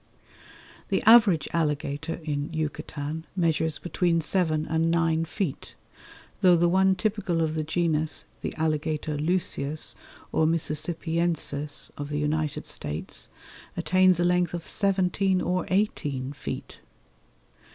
The average alligator in Yucatan measures between seven and nine feet, though the one typical of the genus, the Alligator lucius or mississippiensis of the United States, attains a length of seventeen or eighteen feet.